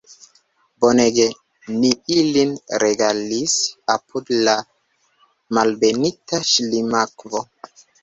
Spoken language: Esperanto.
Bonege ni ilin regalis apud Malbenita Ŝlimakvo!